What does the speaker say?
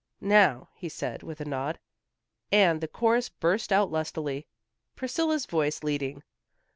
"Now," he said, with a nod, and the chorus burst out lustily, Priscilla's voice leading.